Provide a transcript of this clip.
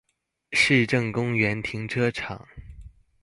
市政公園停車場